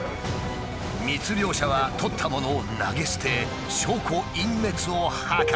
密漁者はとったものを投げ捨て証拠隠滅を図る。